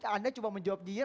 anda cuma menjawab nyinyir